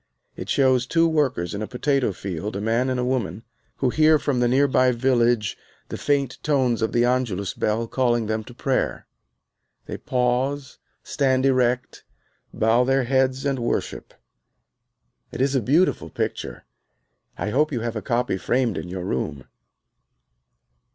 It shows two workers in a potato field, a man and a woman, who hear from the near by village the faint tones of the Angelus bell calling them to prayer. They pause, stand erect, bow their heads and worship. It is a beautiful picture. I hope you have a copy framed in your room.